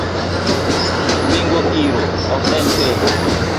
Bingo iro ok en tedo